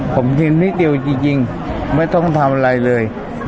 ผมยืนนิดเดียวจริงไม่ต้องทำอะไรเลย